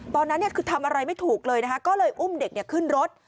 ตอนนั้นคือทำอะไรไม่ถูกเลยนะคะก็เลยอุ้มเด็กขึ้นรถ